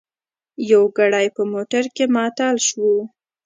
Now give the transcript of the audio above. یو ګړی په موټر کې معطل شوو.